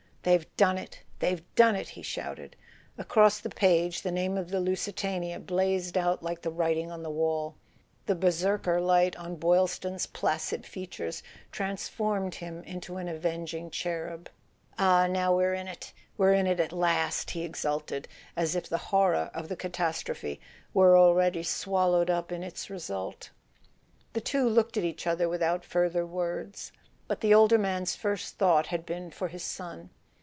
"They've done it—they've done it!" he shouted. Across the page the name of the Lusitania blazed out like the writing on the wall. The Berserker light on Boylston's placid features transformed him into an avenging cherub. "Ah, now we're in it—we're in it at last! " he exulted, as if the horror of the catastrophe were already swallowed up in its result. The two looked at each other without further words; but the older man's first thought had been for his son.